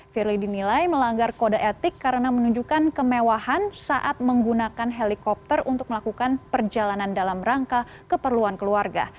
firly dinilai melanggar kode etik karena menunjukkan kemewahan saat menggunakan helikopter untuk melakukan perjalanan dalam rangka keperluan keluarga